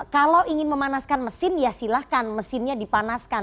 kalau ingin memanaskan mesin ya silahkan mesinnya dipanaskan